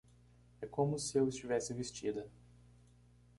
É como se eu estivesse vestida!